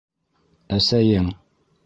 Әсәйең...